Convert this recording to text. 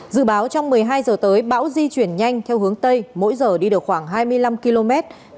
dự báo trong một mươi hai giờ tới bão di chuyển nhanh theo hướng tây mỗi giờ đi được khoảng hai mươi năm km